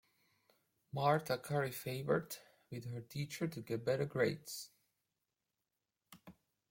Marta curry favored with her teacher to get better grades.